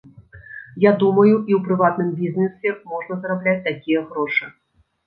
Я думаю, і ў прыватным бізнэсе можна зарабляць такія грошы.